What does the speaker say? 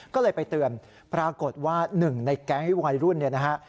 ก็เลยไปเตือนปรากฏว่าหนึ่งในแก๊งวัยรุ่น